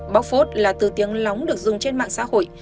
bóc phốt là từ tiếng lóng được dùng trên mạng xã hội